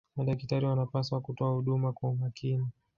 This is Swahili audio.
madakitari wanapaswa kutoa huduma kwa umakini